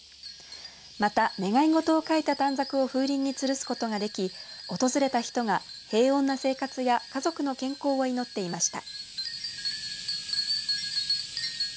また、願い事を書いた短冊を風鈴につるすことができ訪れた人が平穏な生活や家族の健康を祈っていました。